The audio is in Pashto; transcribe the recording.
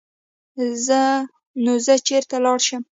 نو زۀ چرته لاړ شم ـ